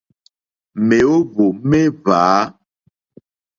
Mèóhwò méhwǎ.